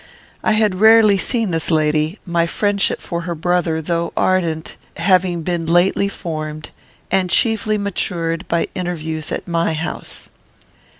I had rarely seen this lady; my friendship for her brother, though ardent, having been lately formed, and chiefly matured by interviews at my house.